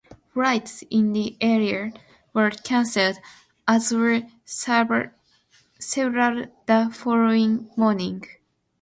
Flights in the area were cancelled, as were several the following morning.